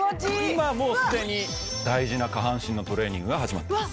今もう既に大事な下半身のトレーニングが始まってます。